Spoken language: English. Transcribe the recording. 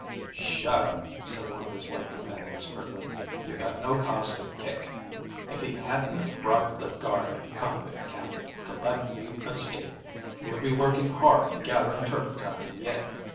"Shut up," said one of his white companions curtly. "You've got no cause to kick. If he hadn't bribed the guard at the convict camp to let you escape, you would be working hard gathering turpentine yet."